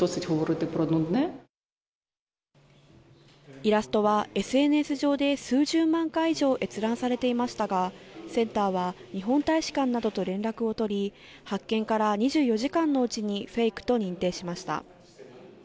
イラストはＳＮＳ上で数十万回以上閲覧されていましたが、センターは、日本大使館などと連絡を取り、発見から２４時間のうちにフェイクと認定しました。